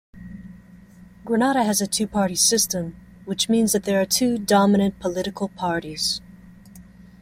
Grenada has a two-party system, which means that there are two dominant political parties.